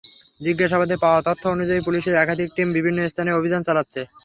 জিজ্ঞাসাবাদে পাওয়া তথ্য অনুযায়ী পুলিশের একাধিক টিম বিভিন্ন স্থানে অভিযান চালাচ্ছে।